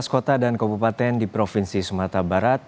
tujuh belas kota dan kabupaten di provinsi sumatera barat